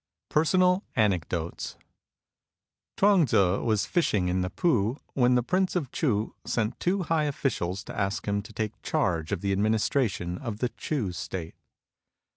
PERSONAL ANECDOTES Chuang Tzu was fishing in the P'u when the prince of Ch'u sent two high officials to ask him to take charge of the administration of the Ch'u State.